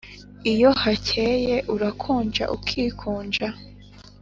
iyo hacyeye urakonja ukikunja